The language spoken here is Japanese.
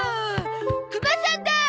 クマさんだ！